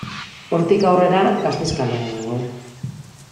Hortik aurrera Gasteiz kalea dago.